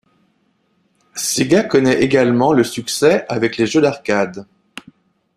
Sega connaît également le succès avec les jeux d'arcade.